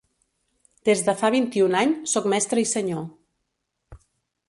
Des de fa vint-i-un any sóc mestre i senyor.